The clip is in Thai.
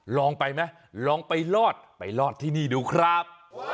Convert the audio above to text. ลองไปไหมลองไปลอดไปรอดที่นี่ดูครับ